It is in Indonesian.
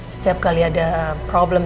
setiap kali ada problem